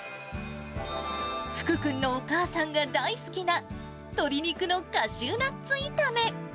福君のお母さんが大好きな鶏肉のカシューナッツいため。